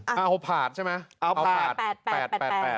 เอาผาดใช่ไหมเอาผาด๘๘